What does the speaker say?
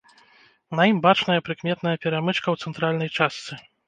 На ім бачная прыкметная перамычка ў цэнтральнай частцы.